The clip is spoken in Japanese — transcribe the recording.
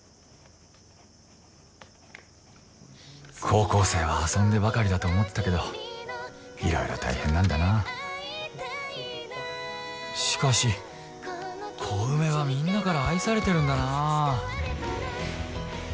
高校生は遊んでばかりだと思ってたけど色々大変なんだなしかし小梅はみんなから愛されてるんだなあ